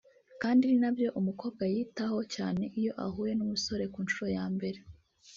Kandi ni na byo umukobwa yitaho cyane iyo ahuye n’umusore ku nshuro ya mbere